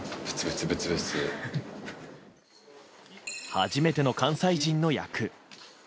初めての関西人の役。